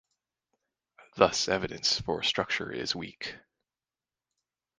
Thus evidence for structure is weak.